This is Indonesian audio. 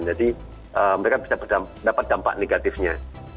jadi mereka bisa mendapat dampak negatifnya